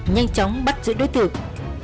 nhanh chóng bắt giữ đối tượng